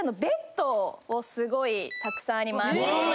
すごいたくさんあります。